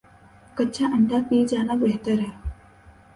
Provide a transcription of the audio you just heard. کچا انڈہ پی جانا بہتر ہے